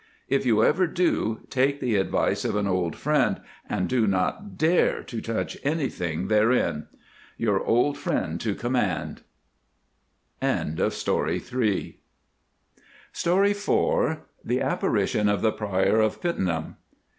If you ever do, take the advice of an old friend and do not dare to touch anything therein. YOUR FRIEND TO COMMAND. The Apparition of the Prior of Pittenweem.